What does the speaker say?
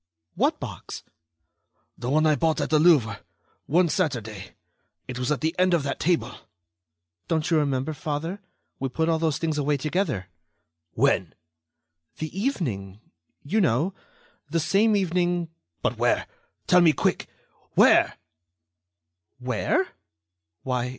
"What box?" "The one I bought at the Louvre ... one Saturday ... it was at the end of that table." "Don't you remember, father, we put all those things away together." "When?" "The evening ... you know ... the same evening...." "But where?... Tell me, quick!... Where?" "Where?